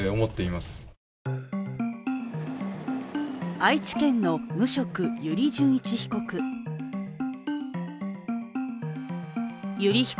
愛知県の無職・油利潤一被告。